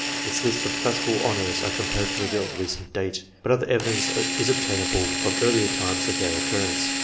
Its lists of classical honours are comparatively of recent date, but other evidence is obtainable from earlier times of their occurrence.